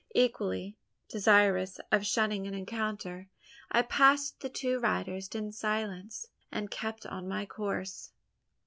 Equally desirous of shunning an encounter, I passed the two riders in silence, and kept on my course.